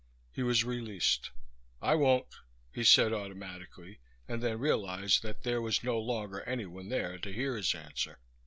He was released. "I won't," he said automatically, and then realized that there was no longer anyone there to hear his answer.